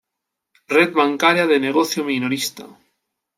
Red bancaria de negocio minorista.